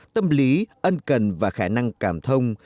tâm lý ân cần và khả năng cảm thông